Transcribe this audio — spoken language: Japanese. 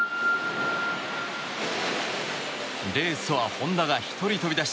レースは本多が１人飛び出し